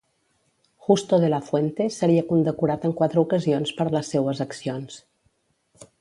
Justo de la Fuente seria condecorat en quatre ocasions per les seues accions.